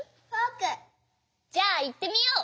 じゃあいってみよう。